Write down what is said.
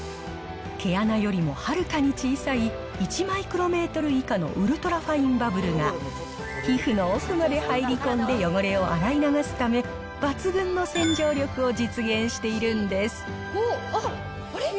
毛穴よりもはるかに小さい、１マイクロメートル以下のウルトラファインバブルが、皮膚の奥まで入り込んで汚れを洗い流すため、抜群の洗浄力を実現しているんです。